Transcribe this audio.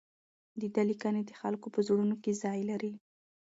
د ده لیکنې د خلکو په زړونو کې ځای لري.